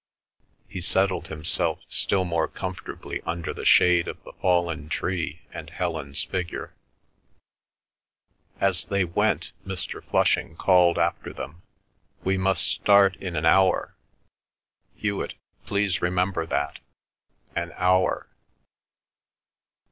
He settled himself still more comfortably under the shade of the fallen tree and Helen's figure. As they went, Mr. Flushing called after them, "We must start in an hour. Hewet, please remember that. An hour."